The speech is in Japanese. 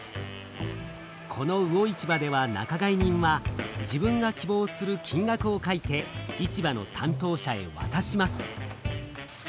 この魚市場では仲買人は自分が希望する金額を書いて市場の担当者へわたします。